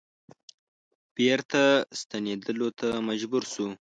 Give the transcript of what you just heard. بیرته ستنیدلو ته مجبور شو.